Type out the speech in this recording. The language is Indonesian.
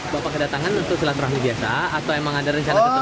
bapak kedatangan untuk silah turahmi biasa atau emang ada rencana ketemu